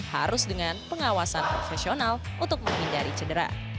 harus dengan pengawasan profesional untuk menghindari cedera